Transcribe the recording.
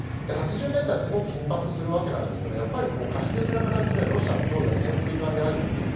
８０年代すごく頻発するんですが瑕疵的な形でロシアの脅威は潜水艦でありという。